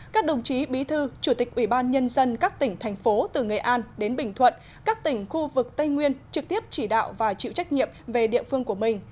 các đồng chí bí thư chủ tịch ủy ban nhân dân các tỉnh thành phố từ nghệ an đến bình thuận các tỉnh khu vực tây nguyên trực tiếp chỉ đạo và chịu trách nhiệm về địa phương của mình